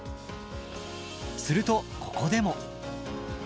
するとここでも。